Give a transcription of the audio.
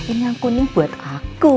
ini yang kuning buat aku